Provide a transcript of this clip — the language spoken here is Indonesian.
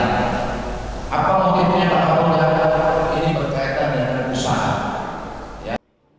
apakah mungkinnya apakah mungkinnya ini berkaitan dengan usaha